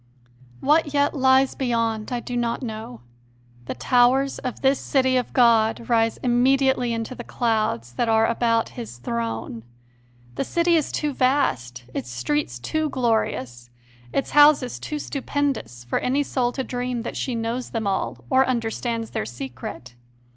What yet lies beyond I do not know: the towers of this City of God rise immediately into the clouds that are about His Throne; the City is too vast, its streets too glorious, its houses too stupendous for any soul to dream that she knows them all or understands their secret.